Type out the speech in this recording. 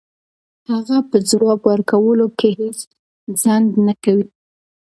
هغه په ځواب ورکولو کې هیڅ ځنډ نه کوي.